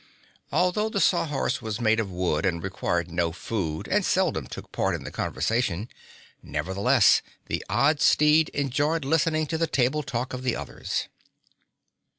Although the Sawhorse was made of wood and required no food and seldom took part in the conversation, nevertheless the odd steed enjoyed listening to the table talk of the others.